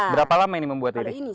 berapa lama ini membuat ini